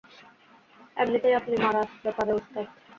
এমনিতেই আপনি মারার ব্যাপারে ওস্তাদ।